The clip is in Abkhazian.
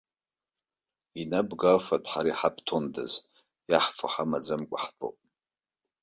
Инабго афатә ҳара иҳабҭондаз, иаҳфо ҳамаӡамкәа ҳтәоуп.